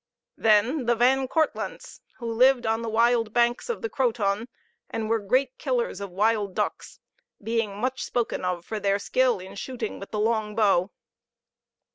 Then the Van Kortlandts, who lived on the wild banks of the Croton, and were great killers of wild ducks, being much spoken of for their skill in shooting with the long bow.